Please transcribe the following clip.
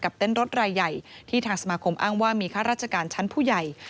เต้นรถรายใหญ่ที่ทางสมาคมอ้างว่ามีข้าราชการชั้นผู้ใหญ่